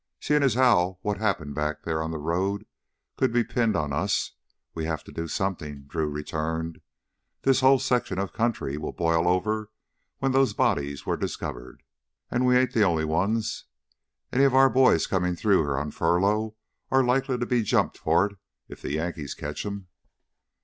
"Seein' as how what happened back there on the road could be pinned on us, we have to do something," Drew returned. This whole section of country would boil over when those bodies were discovered. "And we ain't the only ones. Any of our boys comin' through here on furlough are like to be jumped for it if the Yankees catch them."